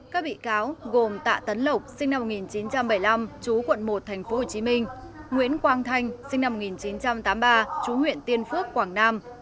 các bị cáo gồm tạ tấn lộc sinh năm một nghìn chín trăm bảy mươi năm chú quận một tp hcm nguyễn quang thanh sinh năm một nghìn chín trăm tám mươi ba chú huyện tiên phước quảng nam